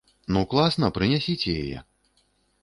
Ну класна, прынясіце яе.